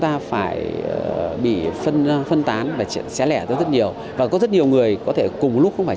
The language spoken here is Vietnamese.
ta lại bị phân phân tán và sẽ lẻ ra rất nhiều và có rất nhiều người có thể cùng lúc không phải